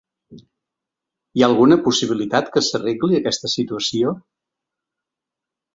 Hi ha alguna possibilitat que s’arregli aquesta situació?